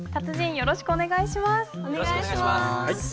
よろしくお願いします。